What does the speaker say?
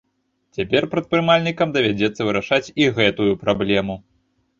Цяпер прадпрымальнікам давядзецца вырашаць і гэтую праблему.